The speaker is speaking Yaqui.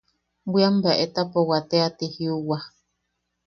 Bwiam bea etapowa teati jiuwa.